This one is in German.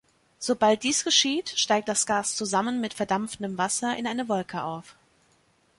Sobald dies geschieht, steigt das Gas zusammen mit verdampfendem Wasser in eine Wolke auf.